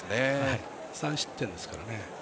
３失点ですからね。